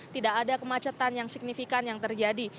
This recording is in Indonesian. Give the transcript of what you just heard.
tidak ada kemacetan yang signifikan yang terjadi